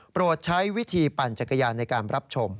ใช้วิธีปั่นจักรยานในการรับชม